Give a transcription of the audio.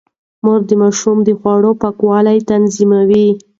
مور د ماشوم د خوړو پاکوالی تضمينوي.